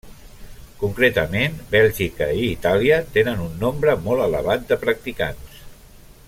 Concretament, Bèlgica i Itàlia tenen un nombre molt elevat de practicants.